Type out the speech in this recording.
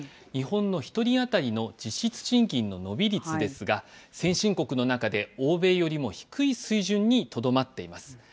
日本の１人当たりの実質賃金の伸び率ですが、先進国の中で欧米よりも低い水準にとどまっています。